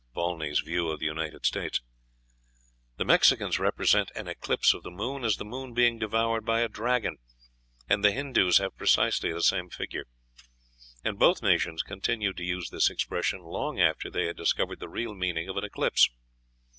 (Volney's "View of the United States.") The Mexicans represent an eclipse of the moon as the moon being devoured by a dragon; and the Hindoos have precisely the same figure; and both nations continued to use this expression long after they had discovered the real meaning of an eclipse.